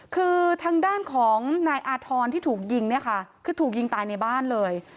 คือทางด้านของนายอาธรณ์ที่ถูกยิงเนี่ยค่ะคือถูกยิงตายในบ้านเลย